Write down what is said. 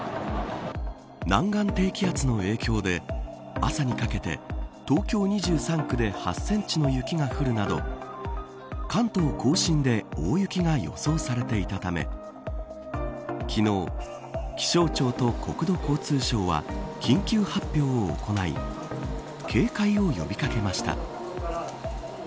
南岸低気圧の影響で朝にかけて東京２３区で８センチの雪が降るなど関東甲信で大雪が予想されていたため昨日、気象庁と国土交通省は緊急発表を行い警戒を呼び掛けました。